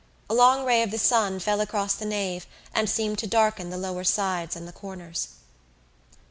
A long ray of the sun fell across the nave and seemed to darken the lower sides and the corners.